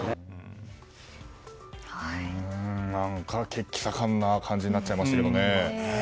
血気盛んな感じになっちゃいましたけど。